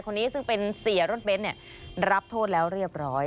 คนนี้ซึ่งเป็นเสียรถเบ้นรับโทษแล้วเรียบร้อย